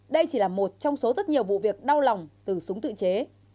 đây chỉ là một trong số rất nhiều vụ việc đau lòng từ súng tự chế